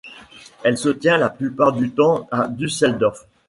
Elle se tient la plupart du temps à Düsseldorf.